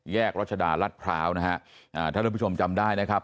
แยกรัชดารัฐพร้าวนะฮะท่านผู้ชมจำได้นะครับ